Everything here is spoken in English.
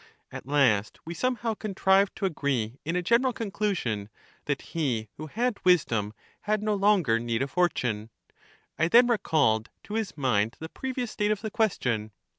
At last we somehow contrived to agree in a general conclusion, that he who had wisdom had no longer need of fortune. I then recalled to his mind the previous state of the question.